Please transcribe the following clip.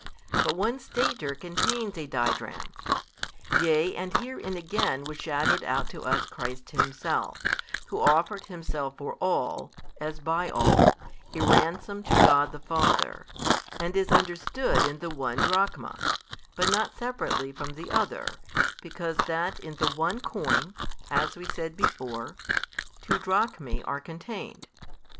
But one stater contains a didrachm. Yea and herein again was shadowed out to us Christ Himself, Who offered Himself for all, as by all, a Ransom to God the Father, and is understood in the one drachma, but not separately from the other, because that in the one coin, as we said before, two drachmae are contained.